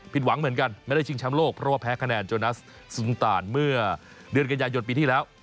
หวังเหมือนกันไม่ได้ชิงแชมป์โลกเพราะว่าแพ้คะแนนโจนัสซุงตานเมื่อเดือนกันยายนปีที่แล้ว